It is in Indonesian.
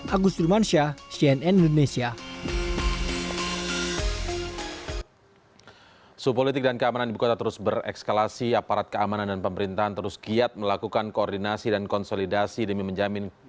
agus dulmansyah cnn indonesia